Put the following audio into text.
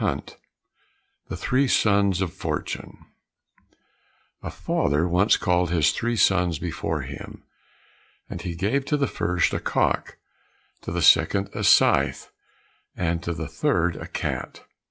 70 The Three Sons of Fortune A father once called his three sons before him, and he gave to the first a cock, to the second a scythe, and to the third a cat.